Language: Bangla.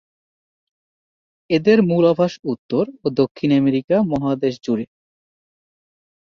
এদের মূল আবাস উত্তর ও দক্ষিণ আমেরিকা মহাদেশ জুড়ে।